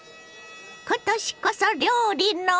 今年こそ料理の。